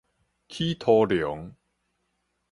起塗龍